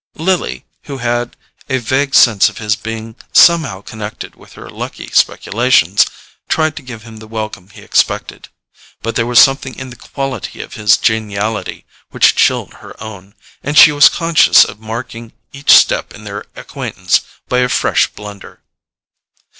Lily, who had a vague sense of his being somehow connected with her lucky speculations, tried to give him the welcome he expected; but there was something in the quality of his geniality which chilled her own, and she was conscious of marking each step in their acquaintance by a fresh blunder.